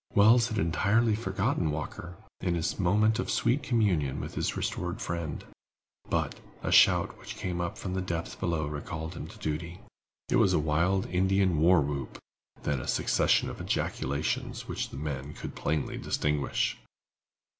Wells had entirely forgotten Walker, in his moment of sweet communion with his restored friend. But, a shout which came up from the depths below recalled him to duty. It was a wild Indian war whoop; then a succession of ejaculations which the men could plainly distinguish.